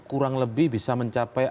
kurang lebih bisa mencapai